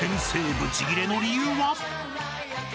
ぶちギレの理由は？］